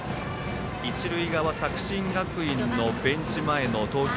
一塁側、作新学院のベンチ前の投球